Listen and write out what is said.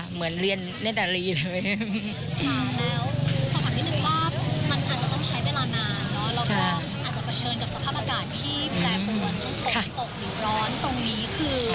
เหมือนเรียนเล่นดาลีเลยค่ะแล้วสอบถามนิดนึงว่ามันอาจจะต้องใช้เวลานานเนอะแล้วก็อาจจะเผชิญกับสภาพอากาศที่แปรปรวนฝนตกหรือร้อนตรงนี้คือ